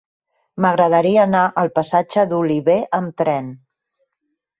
M'agradaria anar al passatge d'Olivé amb tren.